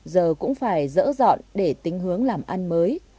giờ cũng phải dỡ dọn để tính hướng làm ăn mới